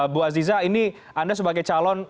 bu aziza ini anda sebagai calon